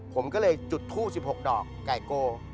ผมก็เลยจุดทูบ๑๖ดอกไก่โก